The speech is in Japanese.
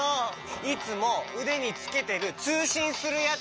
いつもうでにつけてるつうしんするやつ！